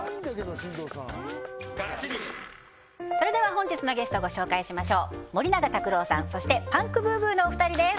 本日のゲストをご紹介しましょう森永卓郎さんそしてパンクブーブーのお二人です